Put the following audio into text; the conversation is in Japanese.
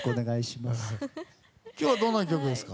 今日はどんな曲ですか？